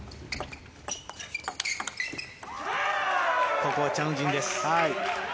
ここはチャン・ウジンです。